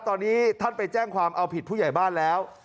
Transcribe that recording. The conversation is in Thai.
ตอนนี้ท่านไปแจ้งความเอาผิดผู้ใหญ่บ้านแล้ว